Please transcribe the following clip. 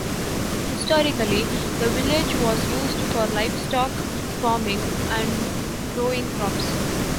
Historically, the village was used for livestock farming and growing crops.